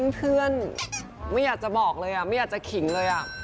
เพื่อนไม่อยากจะบอกเลยไม่อยากจะขิงเลย